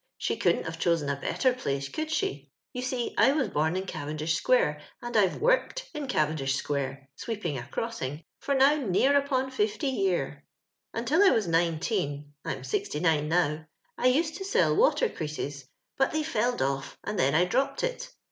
She couldn't have chosen a better place, could she ? You see I was bom in Cavendish square, and I've toorked in Cavendish square — sweeping a crossing — for now near upon fifty year. " Until I was nineteen — I'm sixty nine now — I used to sell water creases, but they felled off and then I dropped it.